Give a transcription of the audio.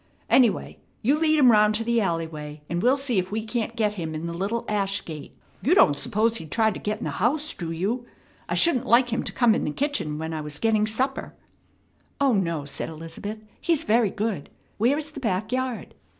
Anyway, you lead him round to the alleyway, and we'll see if we can't get him in the little ash gate. You don't suppose he'd try to get in the house, do you? I shouldn't like him to come in the kitchen when I was getting supper." "O no!" said Elizabeth. "He's very good. Where is the back yard?"